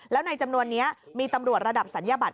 แล้วในจำนวนนี้มีตำรวจระดับศัลยบัตร